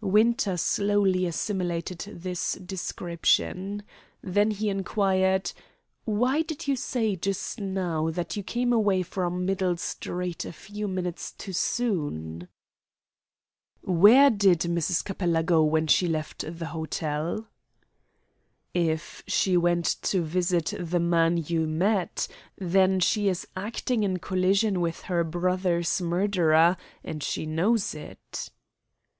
Winter slowly assimilated this description. Then he inquired: "Why did you say just now that you came away from Middle Street a few minutes too soon?" "Where did Mrs. Capella go when she left the hotel?" "If she went to visit the man you met, then she is acting in collision with her brother's murderer, and she knows it."